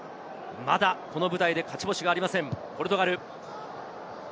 まだこの舞台で勝ち星がありません、ポルトガル。